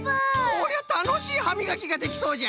こりゃたのしいはみがきができそうじゃ。